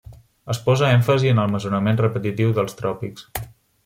Es posa èmfasi en el mesurament repetitiu dels tròpics.